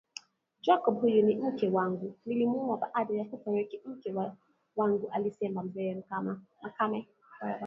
Jacob huyu ni mke wangu nilimuoa baada ya kufariki mke wangualisema mzee Makame